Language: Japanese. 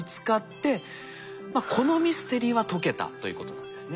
このミステリーは解けたということなんですね。